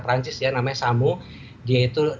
perancis ya namanya samo dia itu